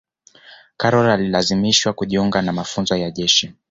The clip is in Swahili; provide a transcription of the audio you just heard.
karol alilazimishwa kujiunga na mafunzo ya jeshi